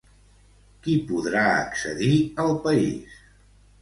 Qui podrà accedir al país?